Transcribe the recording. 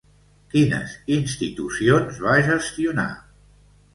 Quines institucions va gestionar?